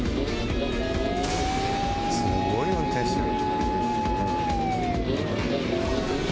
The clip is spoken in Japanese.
すごい運転してる。